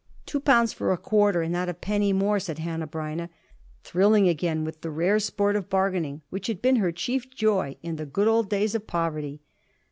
"Two pounds for a quarter, and not a penny more," said Hanneh Breineh, thrilling again with the rare sport of bargaining, which had been her chief joy in the good old days of poverty.